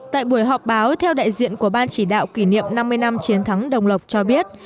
tại buổi họp báo theo đại diện của ban chỉ đạo kỷ niệm năm mươi năm chiến thắng đồng lộc cho biết